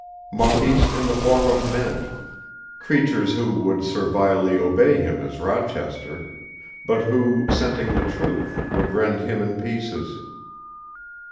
Monkeys in the form of men, creatures who would servilely obey him as Rochester, but who, scenting the truth, would rend him in pieces.